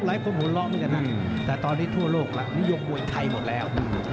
หลายคนหัวเราะด้วยกันนะแต่ตอนนี้ทั่วโลกล่ะนี่ยกมวยไทยหมดแล้ว